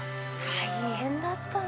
大変だったんだ。